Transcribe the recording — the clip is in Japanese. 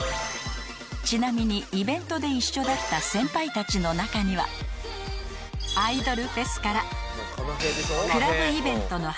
［ちなみにイベントで一緒だった先輩たちの中にはアイドルフェスからクラブイベントのはしご